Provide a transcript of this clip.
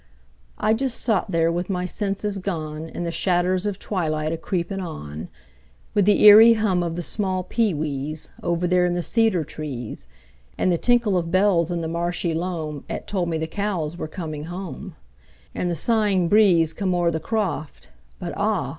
I just sot there with my senses gone, And the shadders of twilight a creepin' on, With the eerie hum of the small pee wees, Over there in the cedar trees, And the tinkle of bells in the marshy loam 'At told me the cows were coming home, And the sighing breeze came o'er the croft, But ah!